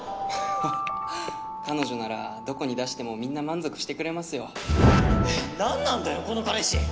⁉ハハッ彼女ならどこに出してもみんな満足してくれますよえっ何なんだよこの彼氏！